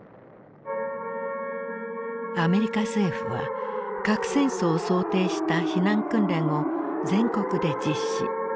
アメリカ政府は核戦争を想定した避難訓練を全国で実施。